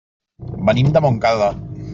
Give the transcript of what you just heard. Venim de Montcada.